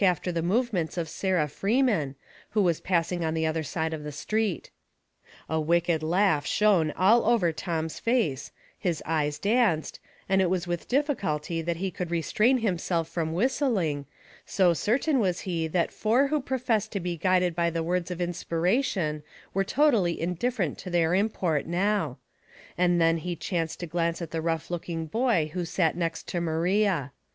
81 after the movements of Sarah Freeman, who was passing on the other side of the street. A wicked laugh shone all over Tom's face, his eyes danced, and it was with difficulty that he could restrain himself from whistling, so certain was he that four who professed to be guided by the words of mspiration were totally indifferent to their import now ; and then he chanced to glance at the rough looking boy who sat next to Maria.